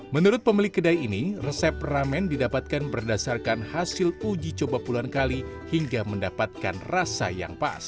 menurut pemilik kedai ini resep ramen didapatkan berdasarkan hasil uji coba puluhan kali hingga mendapatkan rasa yang pas